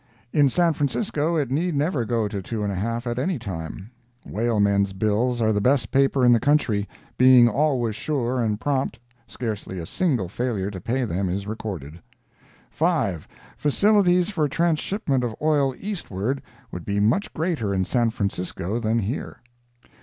In San Francisco it need never go to two and a half at any time. Whale men's bills are the best paper in the country, being always sure and prompt, scarcely a single failure to pay them is recorded. 5. Facilities for transhipment of oil eastward would be much greater in San Francisco than here.